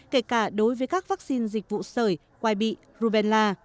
kể cả đối với các vaccine dịch vụ sởi quay bị rubella